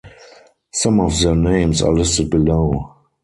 Some of their names are listed below.